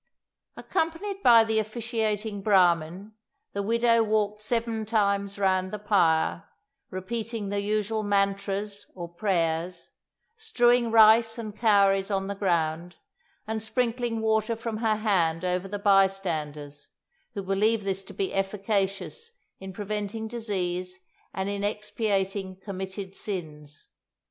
"Accompanied by the officiating Brahmin, the widow walked seven times round the pyre, repeating the usual mantras, or prayers, strewing rice and cowries on the ground, and sprinkling water from her hand over the bystanders, who believe this to be efficacious in preventing disease and in expiating committed sins.